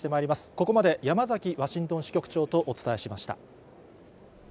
ここまで山崎ワシントン支局長とお伝えしました。